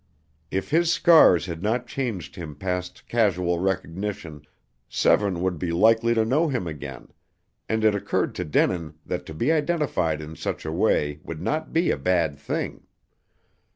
If his scars had not changed him past casual recognition, Severne would be likely to know him again, and it occurred to Denin that to be identified in such a way would not be a bad thing.